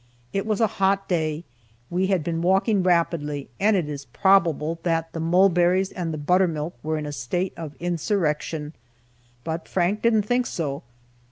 It was a hot day, we had been walking rapidly, and it is probable that the mulberries and the buttermilk were in a state of insurrection. But Frank didn't think so.